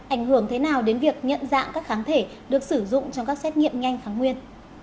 ảnh hưởng thế nào đến việc nhận dạng các kháng thể được sử dụng trong các xét nghiệm nhanh kháng nguyên